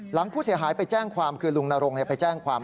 หลังผู้เสียหายไปแจ้งความคือลุงนรงไปแจ้งความ